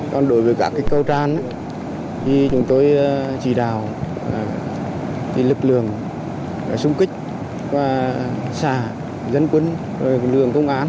còn đối với các khu vực cúi cơ sản lợi thì tiến hành sơ tản di chuyển người dân đến nơi an toàn